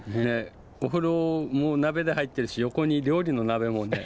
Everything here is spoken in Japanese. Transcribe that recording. お風呂も鍋で入ってるし横に料理の鍋もね。